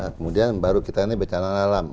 nah kemudian baru kita ini becana alam